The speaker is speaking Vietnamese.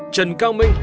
trần cao minh